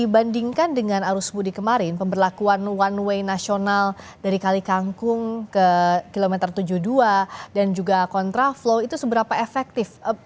dibandingkan dengan arus budi kemarin pemberlakuan one way nasional dari kali kangkung ke kilometer tujuh puluh dua dan juga kontra flow itu seberapa efektif